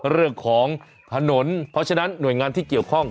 เรื่องของถนนเพราะฉะนั้นหน่วยงานที่เกี่ยวข้อง